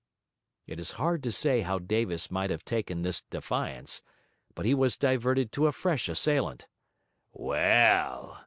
It is hard to say how Davis might have taken this defiance; but he was diverted to a fresh assailant. 'Well!'